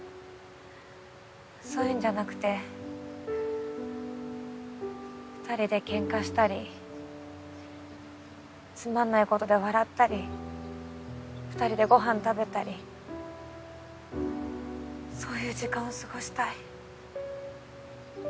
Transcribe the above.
そういうんじゃなくて２人でケンカしたりつまんないことで笑ったり２人でご飯食べたりそういう時間を過ごしたい。